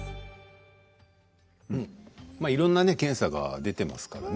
いろんな検査が出ていますからね。